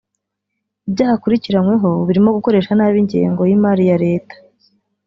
Ibyaha akurikiranyweho birimo gukoresha nabi ingengo y’imari ya leta